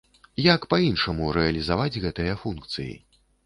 Як па-іншаму рэалізаваць гэтыя функцыі?